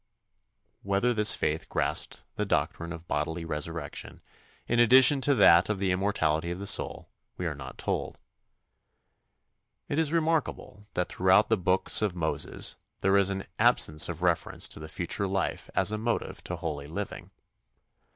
Whether this faith grasped the doctrine of bodily resurrection, in addition to that of the immortality of the soul, we are not told. It is remarkable that throughout the books of Moses there is an absence of reference to the future life as a motive to holy living.